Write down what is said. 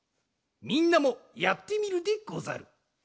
みんなもやってみるでござる。